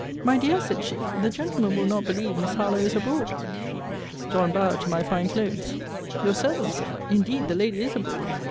My dear, said she, the gentleman will not believe Miss Harlowe is abroad. John bowed to my fine clothes: Your servant, Sir, indeed the lady is abroad.